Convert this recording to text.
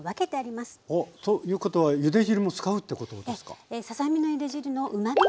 おっということはゆで汁も使うっていうことですか？